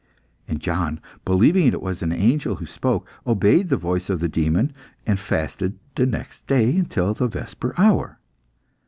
And John, believing that it was an angel who spoke, obeyed the voice of the demon, and fasted the next day until the vesper hour.